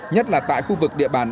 nhất là tại khu vực địa bàn